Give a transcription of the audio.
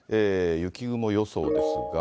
雪雲予想ですが。